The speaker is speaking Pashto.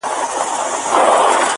• عبث ژوند دي نژدې سوی تر شپېتو دی..